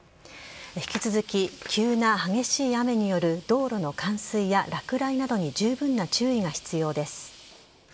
引き続き、急な激しい雨による道路の冠水や落雷などに十分な注意が必要です。